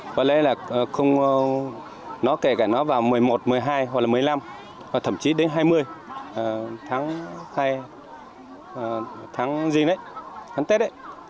có lẽ là không kể cả nó vào một mươi một một mươi hai một mươi năm thậm chí đến hai mươi tháng tết